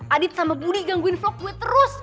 adit sama budi gangguin vlog gue terus